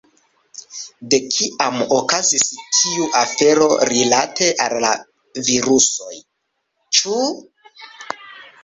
De kiam okazis tiu afero rilate al virusoj, ĉu?